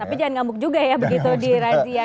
tapi jangan ngamuk juga ya begitu dirazia